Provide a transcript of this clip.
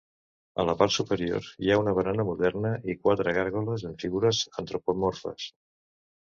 A la part superior hi ha una barana moderna i quatre gàrgoles amb figures antropomorfes.